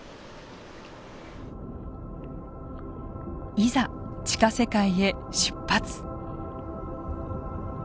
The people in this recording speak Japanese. いざ地下世界へ出発。